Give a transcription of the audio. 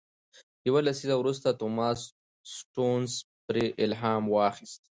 یو لسیزه وروسته توماس سټيونز پرې الهام واخیست.